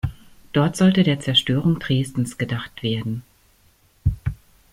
Dort sollte der Zerstörung Dresdens gedacht werden.